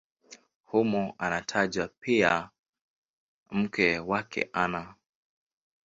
Humo anatajwa pia mke wake Ana.